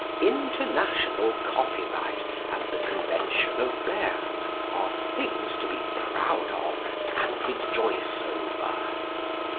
International copyright and the Convention of Berne are things to be proud of and rejoice over.